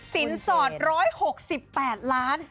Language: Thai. สินสอด๑๖๘ล้าน